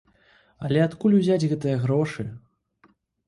Але адкуль узяць гэтыя грошы?